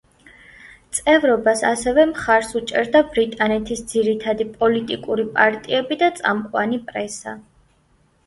წევრობას ასევე მხარს უჭერდა ბრიტანეთის ძირითადი პოლიტიკური პარტიები და წამყვანი პრესა.